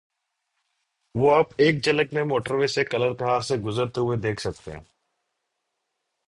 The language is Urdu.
وہ آپ ایک جھلک میں موٹروے پہ کلرکہار سے گزرتے ہوئے دیکھ سکتے ہیں۔